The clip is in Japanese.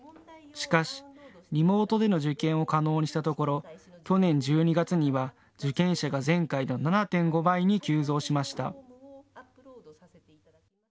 しかし、リモートでの受験を可能にしたところ去年１２月には受験者が前回の７．５倍に急増しました。